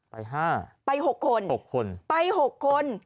ไปห้าไปหกคนหกคนไปหกคน